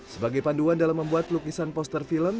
sebagai panduan dalam membuat lukisan poster film